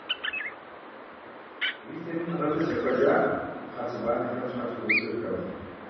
«Витамин гъэтӀылъыпӀэ» жаӀэ хьэцыбанэхэм щхьэкӀэ дохутырхэм.